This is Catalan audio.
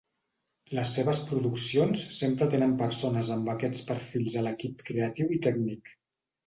Les seves produccions sempre tenen persones amb aquests perfils a l'equip creatiu i tècnic.